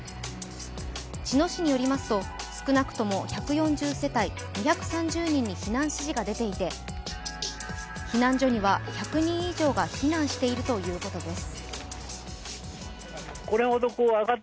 茅野市によりますと、少なくとも１４０世帯、２３０人に避難指示が出ていて避難所には１００人以上が避難しているということです。